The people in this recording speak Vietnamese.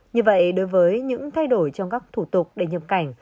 như vậy đối với những thay đổi trong các thủ tục để nhập cảnh